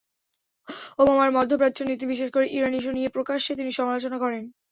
ওবামার মধ্যপ্রাচ্য নীতি, বিশেষ করে ইরান ইস্যু নিয়ে প্রকাশ্যে তিনি সমালোচনা করেন।